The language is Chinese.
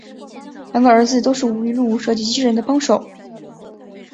两个儿子都是吴玉禄设计机器人的帮手。